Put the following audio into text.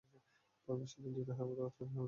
প্রাণ বিসর্জন দিতে হয় তো তোমাদের সেনাপতিই দিবে।